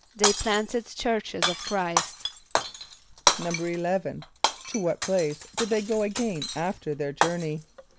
=They planted churches of Chr[=i]st.= =11.= To what place did they go again after their journey?